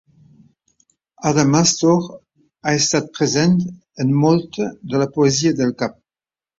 Adamastor ha estat present en molta de la poesia del Cap.